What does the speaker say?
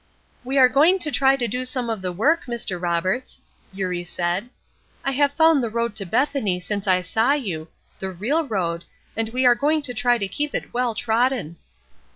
"We are going to try to do some of the work, Mr. Roberts," Eurie said; "I have found the road to Bethany since I saw you, the real road, and we are going to try and keep it well trodden."